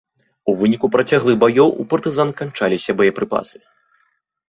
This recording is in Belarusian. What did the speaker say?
У выніку працяглых баёў у партызан канчаліся боепрыпасы.